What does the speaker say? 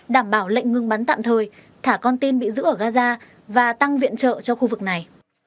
đảm bảo lệnh ngừng bắn tạm thời thả con tin bị giữ ở gaza và tăng viện trợ cho khu vực này